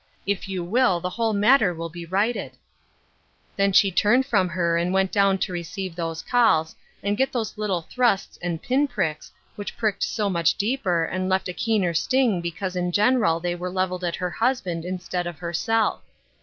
If you will the whole matter will be righted." Then she turned from her and went down to receive those calls, and get those little thrusts and pin pricks which pricked so much deeper and left a keener sting because in general they were leveled at her husband instead of herself.